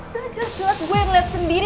terus terus gue yang liat sendiri